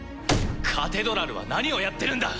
カテドラルは何をやってるんだ！